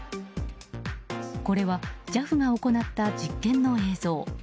これは、ＪＡＦが行った実験の映像。